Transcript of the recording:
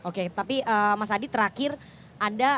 oke tapi mas adi terakhir anda kalau misalnya melihat pola yang dipanggil